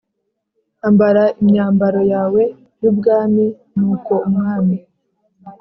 ambara imyambaro yawe y ubwami Nuko umwami